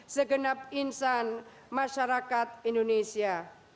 segenap insan masyarakat indonesia